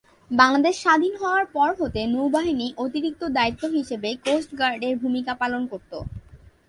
বাংলাদেশ স্বাধীন হওয়ার পর হতে নৌ বাহিনী অতিরিক্ত দায়িত্ব হিসেবে কোস্ট গার্ডের ভূমিকা পালন করত।